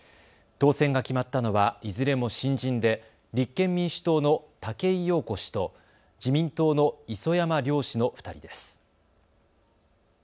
当選が決まったのはいずれも新人で立憲民主党の竹井庸子氏と自民党の磯山亮氏の２人です。